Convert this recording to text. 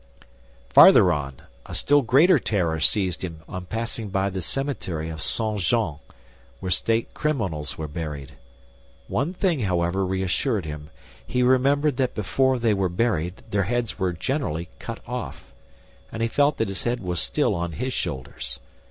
Farther on, a still greater terror seized him on passing by the cemetery of St. Jean, where state criminals were buried. One thing, however, reassured him; he remembered that before they were buried their heads were generally cut off, and he felt that his head was still on his shoulders.